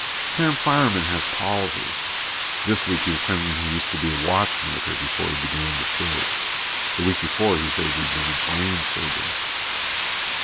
Sam Fireman has palsy. This week he was claiming he used to be a watchmaker before he began to shake. The week before, he'd said he was a brain surgeon.